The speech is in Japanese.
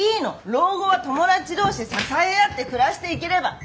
老後は友達同士で支え合って暮らしていければいいの！